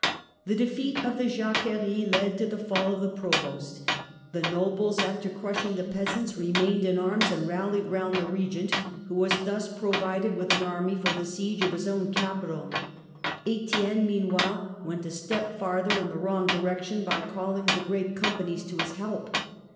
The defeat of the Jacquerie led to the fall of the Provost. Siege of The nobles, after crushing the peasants, remained in arms and rallied round the Eegent, who was thus pro vided with an army for the siege of his own capital. Etienne, meanwhile, went a step farther in the wrong direction by calling the Great Companies to his help.